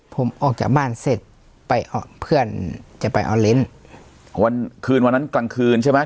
ผมออกจากบ้านเสร็จไปเพื่อนจะไปเอาเลนส์วันคืนวันนั้นกลางคืนใช่ไหม